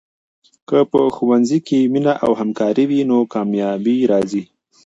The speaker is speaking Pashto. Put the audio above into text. که په ښوونځي کې مینه او همکاري وي، نو کامیابي راځي.